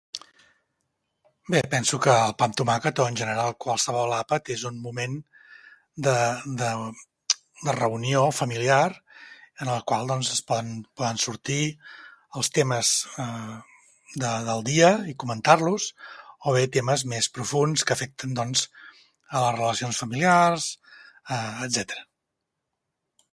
Bé, penso que el pa amb tomàquet o en general qualsevol àpat és un moment de... de... de reunió familiar en el qual doncs es poden... poden sortir els temes, em... de, del dia, i comentar-los, o bé temes més profunds que afecten doncs... a les relacions familiars, eh, etcètera.